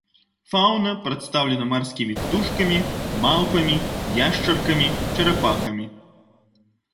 Фаўна прадстаўлена марскімі птушкамі, малпамі, яшчаркамі, чарапахамі.